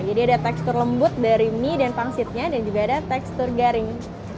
jadi ada tekstur lembut dari mie dan pangsitnya dan juga ada tekstur garing